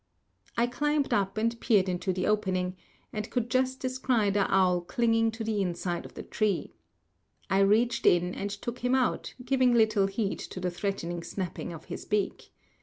I climbed up and peered into the opening, and could just descry the owl clinging to the inside of the tree. I reached in and took him out, giving little heed to the threatening snapping of his beak.